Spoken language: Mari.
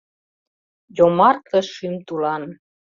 Йомартле шӱм тулан